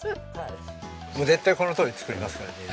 絶対このとおりに作りますからね。